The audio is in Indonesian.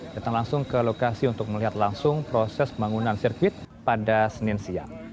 datang langsung ke lokasi untuk melihat langsung proses pembangunan sirkuit pada senin siang